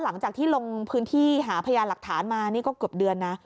หลังจากที่ลงพื้นที่หาพยานหลักฐานมานี่ก็เกือบเดือนนะ